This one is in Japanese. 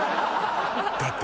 だって。